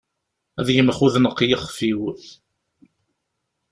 Ata yemxudneq yexef-iw.